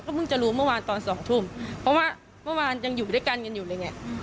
เพิ่งจะรู้เมื่อวานตอนสองทุ่มเพราะว่าเมื่อวานยังอยู่ด้วยกันกันอยู่เลยไง